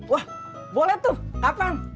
wah boleh tuh kapan